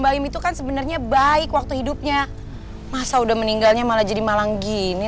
baim itu kan sebenarnya baik waktu hidupnya masa udah meninggalnya malah jadi malang gini